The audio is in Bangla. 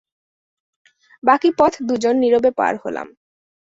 বাকি পথ দু জন নীরবে পার হলাম!